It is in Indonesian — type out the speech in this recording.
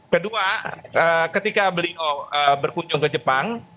kedua ketika beliau berkunjung ke jepang